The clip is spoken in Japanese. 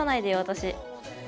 私。